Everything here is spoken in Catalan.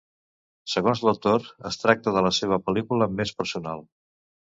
Segons l'autor, es tracta de la seva pel·lícula més personal.